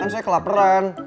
kan saya kelaperan